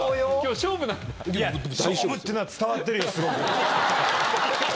勝負っていうのは伝わってるよ、すごく。